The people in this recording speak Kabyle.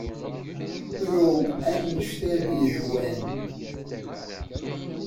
Ru anect ay am-yehwan.